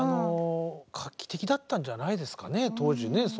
画期的だったんじゃないですかね当時ね。